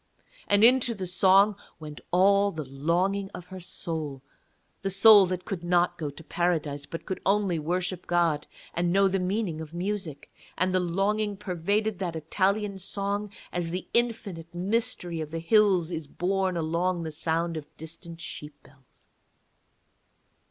And into the song went all the longing of her soul, the soul that could not go to Paradise, but could only worship God and know the meaning of music, and the longing pervaded that Italian song as the infinite mystery of the hills is borne along the sound of distant sheep bells.